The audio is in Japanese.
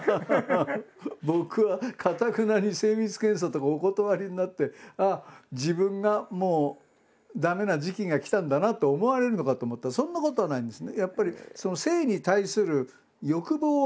僕はかたくなに精密検査とかお断りになって自分がもう駄目な時期が来たんだなと思われるのかと思ったらそんなことはないんですね。